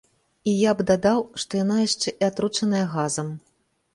І я б дадаў, што яна яшчэ і атручаная газам.